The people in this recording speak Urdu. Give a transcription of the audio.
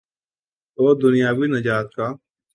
تو دنیاوی نجات کا۔